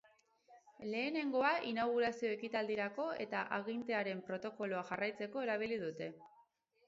Lehenengoa inaugurazio ekitaldirako eta agintarien protokoloa jarraitzeko erabili dute.